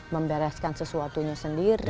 membereskan sesuatunya sendiri